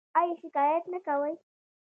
ایا شکایت نه کوئ؟